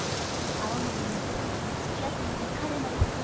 青森にいた時につきあっていた彼の事を。